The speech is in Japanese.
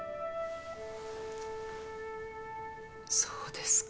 そうですか。